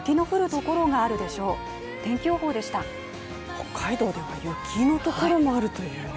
北海道では雪のところもあるというね。